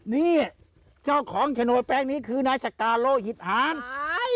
เนี่ยเจ้าของชะโนตแป๊งนี้คือนายชะกาลโลหิตหาญ